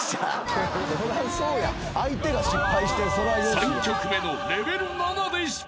［３曲目のレベル７で］